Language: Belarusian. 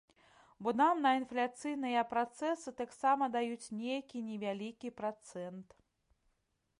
Бо нам на інфляцыйныя працэсы таксама даюць нейкі невялікі працэнт.